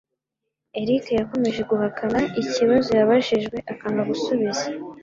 Eric yakomeje guhakana ikibazo yabajijwe akanga gusubiza.